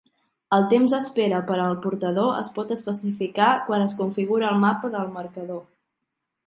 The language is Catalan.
El temps d'espera per al portador es pot especificar quan es configura el mapa del marcador.